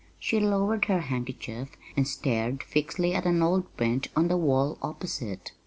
She lowered her handkerchief and stared fixedly at an old print on the wall opposite.